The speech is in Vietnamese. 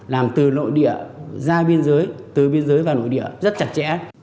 làm từ nội địa ra biên giới từ biên giới và nội địa rất chặt chẽ